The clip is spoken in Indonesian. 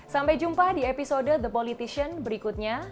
sampai jumpa di episode the politician berikutnya